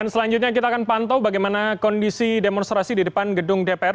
selanjutnya kita akan pantau bagaimana kondisi demonstrasi di depan gedung dpr